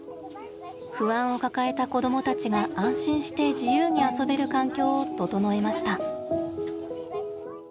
不安を抱えた子どもたちが安心して自由に遊べる環境を整えました。